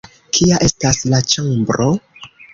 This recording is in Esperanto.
Kia estas la ĉambro?